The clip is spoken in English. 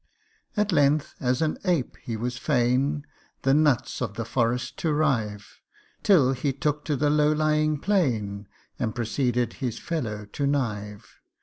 At length as an ape he was fain The nuts of the forest to rive ; Till he took to the low lying plain, And proceeded his fellow to knive.